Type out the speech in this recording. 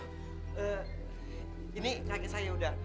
pak ini kakek saya udah